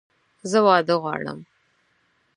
زه واده غواړم!